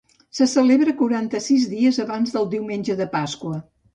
Se celebra quaranta-sis dies abans del diumenge de Pasqua.